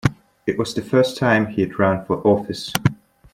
It was the first time he'd run for office.